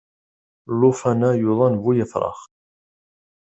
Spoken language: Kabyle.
Llufan-a yuḍen bu yefrax.